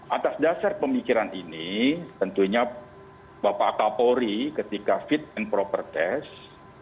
atas dasar pemikiran ini tentunya bapak kapolri ketika fit and proper test